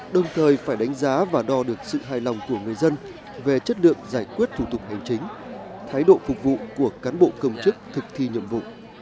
đồng thời phải đánh giá và đo được sự hài lòng của người dân về chất lượng giải quyết thủ tục hành chính thái độ phục vụ của cán bộ công chức thực thi nhiệm vụ